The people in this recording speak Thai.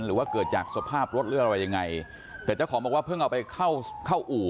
แต่เจ้าของบอกว่าเพิ่งเอาให้เข้าอู่